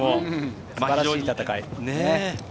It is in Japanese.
素晴らしい戦い。